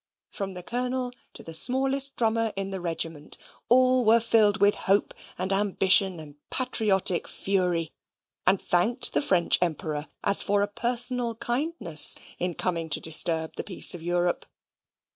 From the colonel to the smallest drummer in the regiment, all were filled with hope and ambition and patriotic fury; and thanked the French Emperor as for a personal kindness in coming to disturb the peace of Europe.